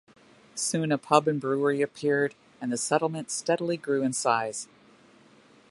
Soon a pub and a brewery appeared, and the settlement steadily grew in size.